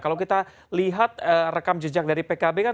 kalau kita lihat rekam jejak dari pkb kan